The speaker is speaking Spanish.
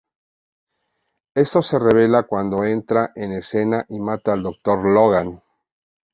Esto se revela cuando entra en escena y mata al Dr. Logan.